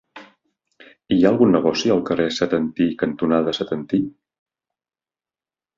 Hi ha algun negoci al carrer Setantí cantonada Setantí?